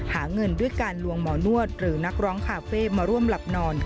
หาเงินด้วยการลวงหมอนวดหรือนักร้องคาเฟ่มาร่วมหลับนอน